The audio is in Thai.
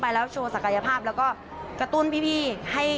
ต้นเกมเซ็ตแรกเนี่ยเราทำได้ดี